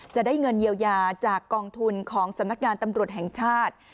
จะได้เงินเยียวยาจากกองทุนของสำนักงานตำรวจแห่งชาติ